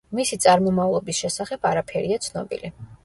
მისი წარმომავლობის შესახებ არაფერია ცნობილი.